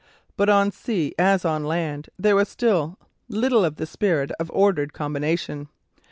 But on sea as on land there was still little of the spirit of ordered combination.